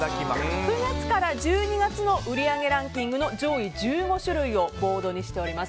９月から１２月の売り上げランキングの上位１５種類をボードにしております。